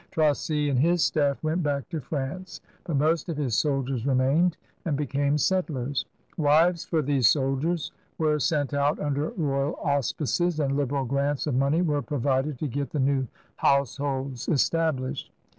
Tracy and his staff went back to France, but most of his soldiers remained and became settlers. Wives for these soldiers were sent out under royal auspices, and liberal grants of money were provided to get the new households established.